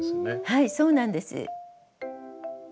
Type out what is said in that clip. はいそうなんです。